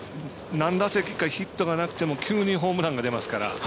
何打席かヒットがなくても急にホームランが出ますから。